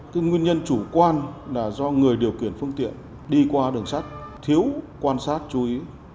cái nguyên nhân chủ quan là do người điều khiển phương tiện đi qua đường sắt thiếu quan sát chú ý